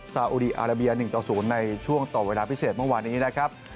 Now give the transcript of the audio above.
ซาอุดีอาราเบีย๑ต่อ๐ในช่วงต่อเวลาพิเศษเมื่อวานนี้นะครับ